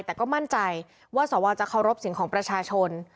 แต่ก็มั่นใจว่าสวจะเคารพเสียงของประชาชน